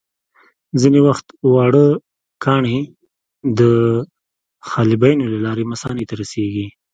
ځینې وخت واړه کاڼي د حالبینو له لارې مثانې ته رسېږي.